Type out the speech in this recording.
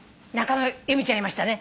由美ちゃん言いましたね。